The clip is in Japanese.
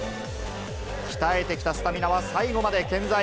鍛えてきたスタミナは最後まで健在。